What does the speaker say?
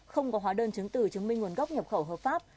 không có hóa đơn chứng từ chứng minh nguồn gốc nhập khẩu hợp pháp